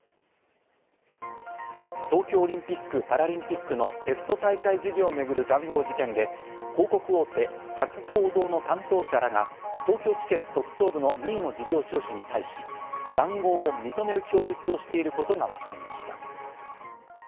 東京オリンピック・パラリンピックのテスト大会事業を巡る談合事件で、広告大手・博報堂の担当者らが東京地検特捜部の任意の事情聴取に対し、談合を認める供述をしていることがわかりました。